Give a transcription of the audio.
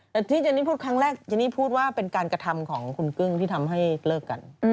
แต่ที่เจนนี่พูดครั้งแรกเจนี่พูดว่าเป็นการกระทำของคุณกึ้งที่ทำให้เลิกกัน